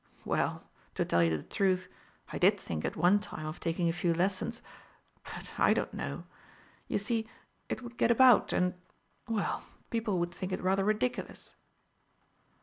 "Well, to tell you the truth, I did think at one time of taking a few lessons. But I don't know. You see, it would get about, and well, people would think it rather ridiculous."